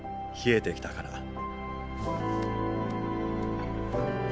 冷えてきたから。